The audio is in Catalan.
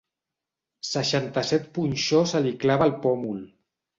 Seixanta-set punxó se li clava al pòmul.